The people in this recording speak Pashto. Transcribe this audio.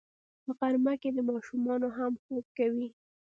په غرمه کې ماشومان هم خوب کوي